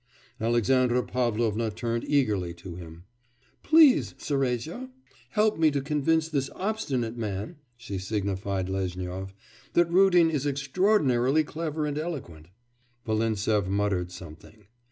Alexandra Pavlovna turned eagerly to him. 'Please, Serezha, help me to convince this obstinate man (she signified Lezhnyov) that Rudin is extraordinarily clever and eloquent.' Volintsev muttered something.